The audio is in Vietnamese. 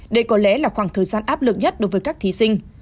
đây có lẽ là khoảng thời gian áp lực nhất đối với các thí sinh